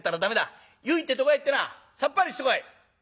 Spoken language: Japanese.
湯行って床屋行ってなさっぱりしてこい。